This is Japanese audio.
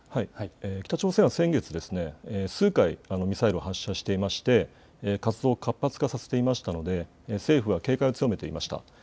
北朝鮮は先月、数回、ミサイルを発射していまして活動を活発化させていましたので政府は警戒を強めていました。